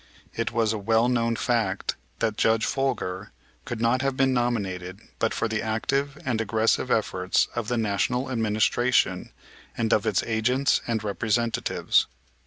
It was a well known fact that Judge Folger could not have been nominated but for the active and aggressive efforts of the National Administration, and of its agents and representatives.